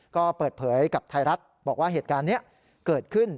ก็เปิดเผยกับไทยรัฐบอกว่าเหตุการณ์นี้เกิดขึ้น